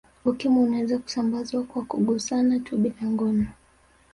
Ukimwi unaweza kusambazwa kwa kugusana tu bila ngono